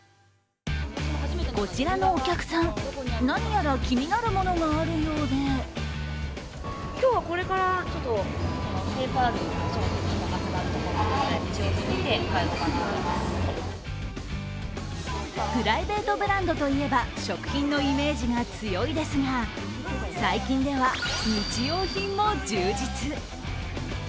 こちらのお客さん何やら気になるものがあるようでプライベートブランドといえば食品のイメージが強いですが、最近では日用品も充実。